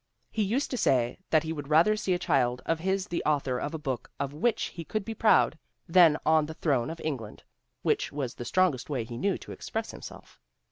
He used to say that he would rather see a child of his the author of a book of which he could be proud, than on the throne of Eng land, which was the strongest way he knew to express himself.